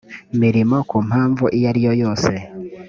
mirimo ku mpamvu iyo ariyo yose